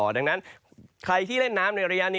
ดังนั้นใครที่เล่นน้ำในระยะนี้